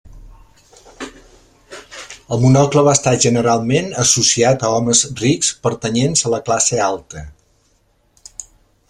El monocle va estar generalment associat a homes rics pertanyents a la classe alta.